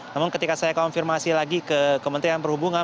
namun ketika saya konfirmasi lagi ke kementerian perhubungan